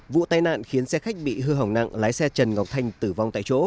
vụ tai nạn khiến xe khách bị hư hỏng nặng lái xe trần ngọc thanh tử vong tại chỗ